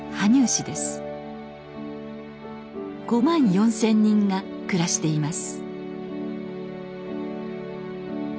５万４，０００人が暮らしています。